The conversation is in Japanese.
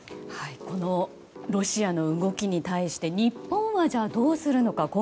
このロシアの動きに対して日本はどうするのか。